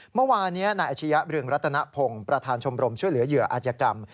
เมื่อวานนี้นายอาชียะเรืองรัตนพงศ์ประธานชมรมช่วยเหลือเหยื่ออาจยกรรม